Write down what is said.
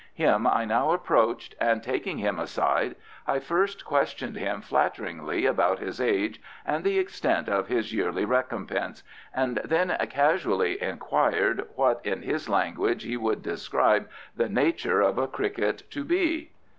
Him I now approached, and taking him aside, I first questioned him flatteringly about his age and the extent of his yearly recompense, and then casually inquired what in his language he would describe the nature of a cricket to be.